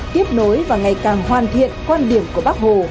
tiếp nối và ngày càng hoàn thiện quan điểm của bác hồ